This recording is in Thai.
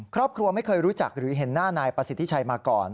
ครอบครัวไม่เคยรู้จักหรือเห็นหน้านายประสิทธิชัยมาก่อน